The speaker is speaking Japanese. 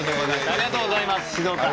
ありがとうございます静岡。